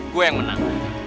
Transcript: gue yang menang